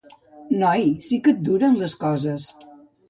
Noi, sí que et duren les coses.